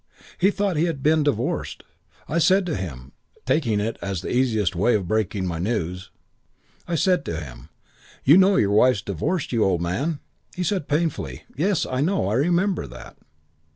He thought he had been divorced. I said to him, taking it as the easiest way of breaking my news, I said to him, 'You know your wife's divorced you, old man?' He said painfully, 'Yes, I know. I remember that.'